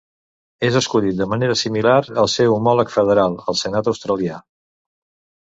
És escollit de manera similar al seu homòleg federal, el Senat australià.